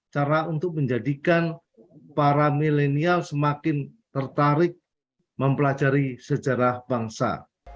cara untuk menjadikan para milenial semakin tertarik mempelajari sejarah bangsa